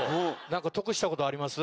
何か得したことあります？